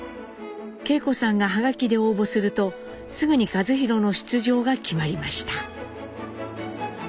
惠子さんがハガキで応募するとすぐに一寛の出場が決まりました。